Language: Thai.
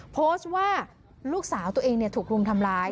โพสต์ว่าลูกสาวตัวเองถูกรุมทำร้าย